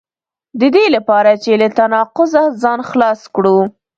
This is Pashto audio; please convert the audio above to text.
د دې لپاره چې له تناقضه ځان خلاص کړو.